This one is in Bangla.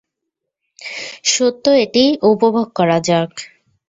সত্য এটি উপভোগ করা যাক।